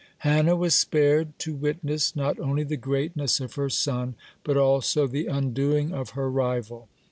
Hannah was spared to witness, not only the greatness of her son, but also the undoing of her rival.